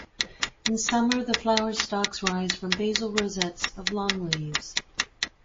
In summer the flower stalks rise from basal rosettes of long leaves.